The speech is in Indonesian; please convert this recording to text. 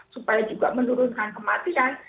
supaya juga menurunkan kematian